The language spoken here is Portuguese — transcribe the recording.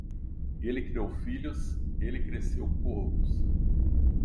Ele criou filhos, ele cresceu corvos.